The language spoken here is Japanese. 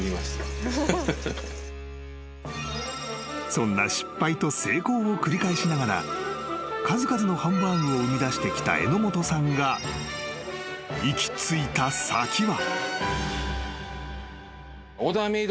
［そんな失敗と成功を繰り返しながら数々のハンバーグを生みだしてきた榎本さんが行き着いた先は］